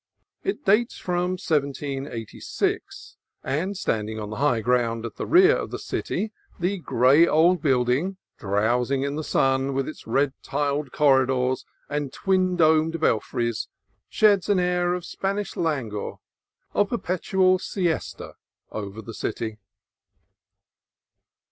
It dates from 1786, and, standing on the high ground at the rear of the city, the gray old building, drowsing in the sun, with its red tiled cor ridors and twin domed belfries, sheds an air of Span ish languor, of perpetual siesta, over the city.